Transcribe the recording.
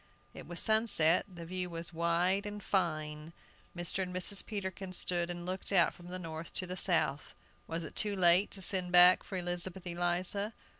It was sunset; the view was wide and fine. Mr. and Mrs. Peterkin stood and looked out from the north to the south. Was it too late to send back for Elizabeth Eliza?